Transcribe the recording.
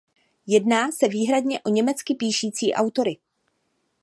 Jedná se výhradně o německy píšící autory.